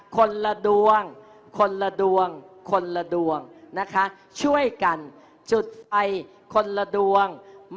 คนละดวงคนละดวงคนละดวงนะคะช่วยกันจุดไอคนละดวง